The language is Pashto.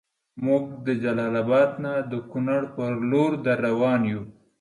مونږ د جلال اباد نه د کونړ پر لور دروان یو